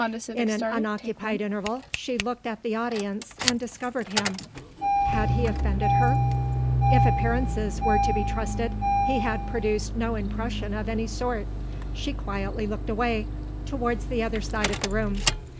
In an unoccupied interval, she looked at the audience and discovered him. Had he offended her? If appearances were to be trusted, he had produced no impression of any sort. She quietly looked away, towards the other side of the room.